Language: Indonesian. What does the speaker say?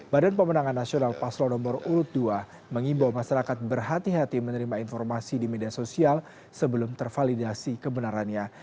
badan pemenangan nasional paslon nomor urut dua mengimbau masyarakat berhati hati menerima informasi di media sosial sebelum tervalidasi kebenarannya